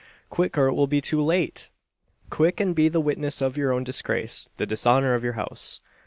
Quick, or it will be too late! Quick, and be the witness of your own disgrace the dishonour of your house.